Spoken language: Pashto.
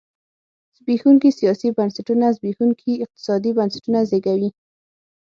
زبېښونکي سیاسي بنسټونه زبېښونکي اقتصادي بنسټونه زېږوي.